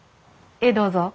ええどうぞ。